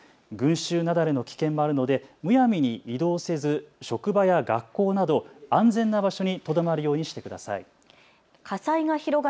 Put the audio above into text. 群集雪崩の危険もあるのでむやみに移動せず職場や学校など安全な場所にとどまるようにしてください。